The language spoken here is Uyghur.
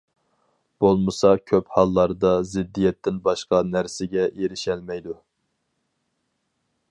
بولمىسا كۆپ ھاللاردا زىددىيەتتىن باشقا نەرسىگە ئېرىشەلمەيدۇ.